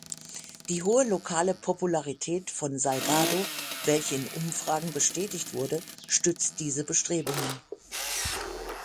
Die hohe lokale Popularität von Salgado, welche in Umfragen bestätigt wurde, stützt diese Bestrebungen.